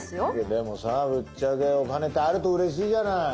でもさぶっちゃけお金ってあるとうれしいじゃない。